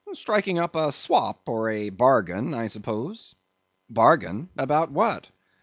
"Striking up a swap or a bargain, I suppose." "Bargain?—about what?"